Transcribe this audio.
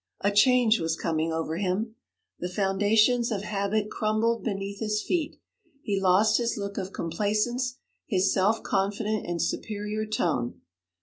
A change was coming over him; the foundations of habit crumbled beneath his feet; he lost his look of complacence, his self confident and superior tone.